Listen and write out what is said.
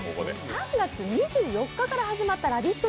３月２４日から始まったラヴィット！